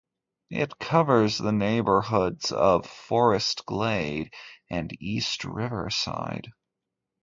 It covers the neighbourhoods of Forest Glade and East Riverside.